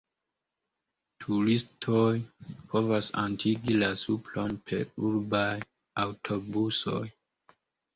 Turistoj povas atingi la supron per urbaj aŭtobusoj.